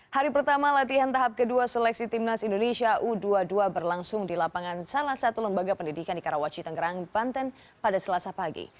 hari pertama latihan tahap kedua seleksi timnas indonesia u dua puluh dua berlangsung di lapangan salah satu lembaga pendidikan di karawaci tangerang banten pada selasa pagi